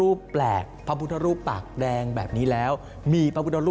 อ๋อออกไปอีก